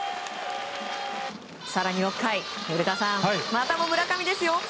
更に６回、古田さんまたも村上ですよ！